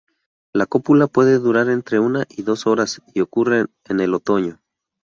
La cópula puede durar entre una y dos horas, y ocurre en el otoño.